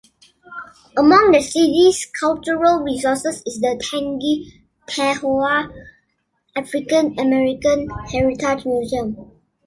Among the city's cultural resources is the Tangipahoa African American Heritage Museum.